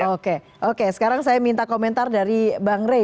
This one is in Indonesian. oke oke sekarang saya minta komentar dari pak anusirwan